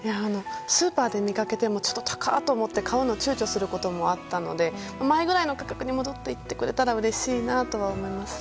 スーパーで見かけても高いと思って買うのを躊躇することもあったので前くらいの価格に戻ってくれたらうれしいと思います。